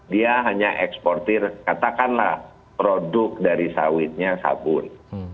dia hanya eksportir katakanlah produk dari sawitnya sabun